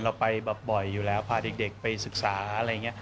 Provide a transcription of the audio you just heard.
เราไปแบบบ่อยอยู่แล้วพาเด็กไปศึกษาอะไรอย่างนี้